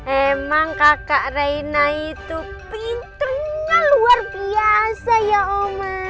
emang kakak raina itu pinternya luar biasa ya oma